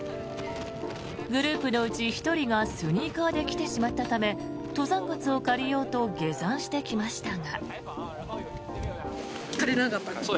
グループのうち１人がスニーカーで来てしまったため登山靴を借りようと下山してきましたが。